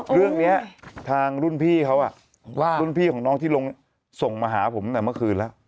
เรื่องนี้ทางรุ่นพี่เขารุ่นพี่ของน้องที่ลงส่งมาหาผมแต่เมื่อคืนแล้ว